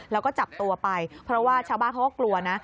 แล้วก็จับตัวไปเพราะว่าชาวบ้านเขาก็กลัวนะ